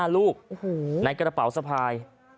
๕ลูกในกระเป๋าสะพาย